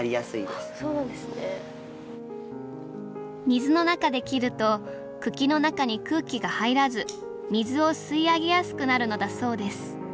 水の中で切ると茎の中に空気が入らず水を吸い上げやすくなるのだそうです。